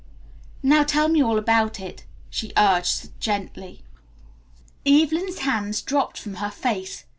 "Now tell me all about it," she urged gently. Evelyn's hands dropped from her face.